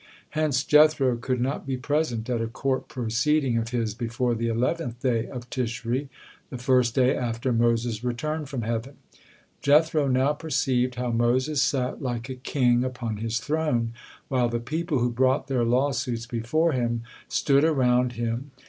Hence Jethro could not be present at a court proceeding of his before the eleventh day of Tishri, the first day after Moses' return from heaven. Jethro now perceived how Moses sat like a king upon his throne, while the people, who brought their lawsuits before him, stood around him.